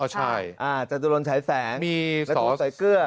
จตุรนใช้แสงและถูกใส่เกลือ